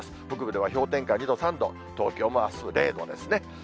北部では氷点下２度、３度、東京もあす０度ですね。